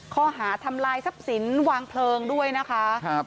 ข้อหาทำลายทรัพย์สินวางเพลิงด้วยนะคะ